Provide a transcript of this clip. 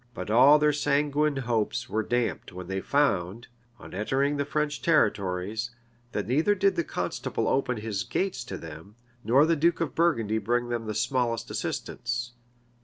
[*] But all their sanguine hopes were damped when they found, on entering the French territories, that neither did the constable open his gates to them, nor the duke of Burgundy bring them the smallest assistance.